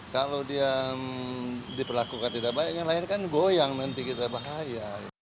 kalau dia diperlakukan tidak baik yang lain kan goyang nanti kita bahaya